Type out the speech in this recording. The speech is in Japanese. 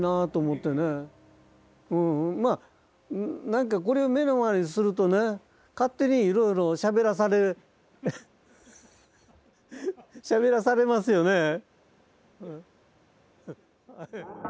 なんかこれを目の前にするとね勝手にいろいろしゃべらされしゃべらされますよねぇ。